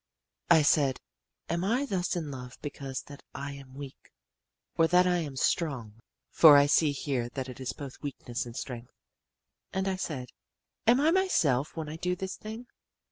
I said, Am I thus in love because that I am weak, or that I am strong? For I see here that it is both weakness and strength. And I said, Am I myself when I do this thing?